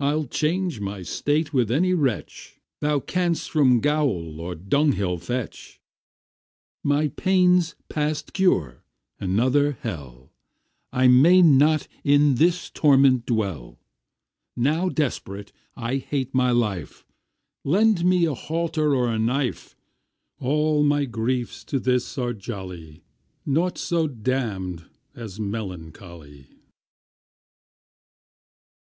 I'll change my state with any wretch, Thou canst from gaol or dunghill fetch; My pain's past cure, another hell, I may not in this torment dwell! Now desperate I hate my life, Lend me a halter or a knife; All my griefs to this are jolly, Naught so damn'd as melancholy.